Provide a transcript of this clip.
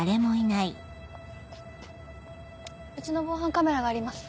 うちの防犯カメラがあります